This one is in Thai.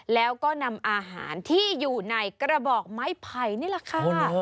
แล้วก็นำอาหารที่อยู่ในกระบอกไม้ไผ่นี่แหละค่ะ